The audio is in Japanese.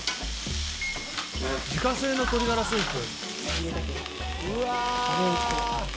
自家製の鶏がらスープ。